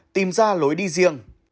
tìm ra lối đi riêng